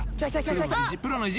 プロの意地